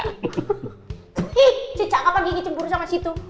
ih cicak kapan gigi cemburu sama situ